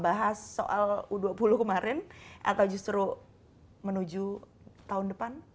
bahas soal u dua puluh kemarin atau justru menuju tahun depan